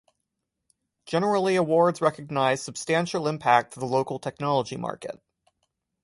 Generally awards recognise substantial impact to the local technology market.